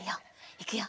いくよ。